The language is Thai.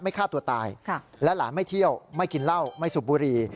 ฆ่าตัวตายและหลานไม่เที่ยวไม่กินเหล้าไม่สูบบุรี